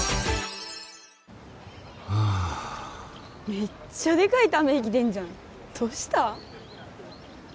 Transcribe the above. めっちゃでかいため息出んじゃんどうした？